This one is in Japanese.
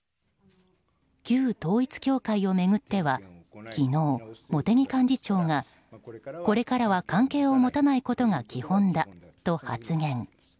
旧統一教会を巡っては昨日、茂木幹事長がこれからは関係を持たないことが基本だと発言。